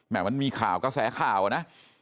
แม้มันมีข่าวก็แสข่าวนะ